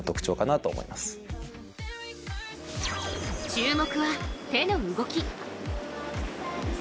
注目は、手の動き。